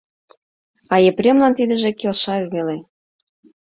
А Епремлан тидыже келша веле.